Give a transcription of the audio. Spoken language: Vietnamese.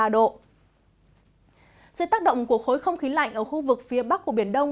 dưới tác động của khối không khí lạnh ở khu vực phía bắc của biển đông